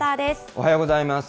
おはようございます。